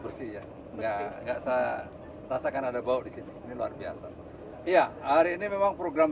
bersih ya nggak nggak saya rasakan ada bau di sini luar biasa ya hari ini memang program